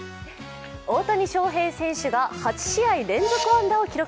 大谷翔平選手が８試合連続、安打を記録。